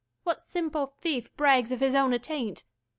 15 What simple thief brags of his own attaint?